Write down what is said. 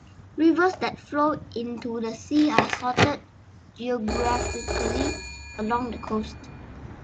Rivers that flow into the sea are sorted geographically, along the coast.